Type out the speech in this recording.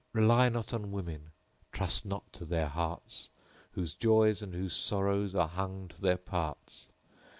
— Rely not on women; * Trust not to their hearts, Whose joys and whose sorrows * Are hung to their parts!